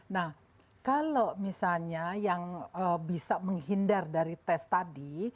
nah kalau misalnya yang bisa menghindar dari tes tadi